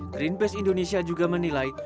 greenpeace indonesia juga menilai